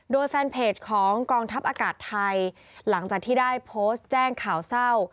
โดยแฟนเพจของกองทัพอากาศไทยหลังจากที่ได้โพสต์แจ้งข่าวเศร้า